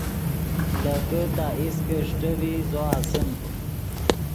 لیکے تا ایست کہ اݰٹے ڤی زو اسیم